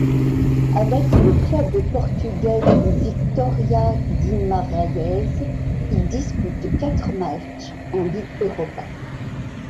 Avec le club portugais du Vitória Guimarães, il dispute quatre matchs en Ligue Europa.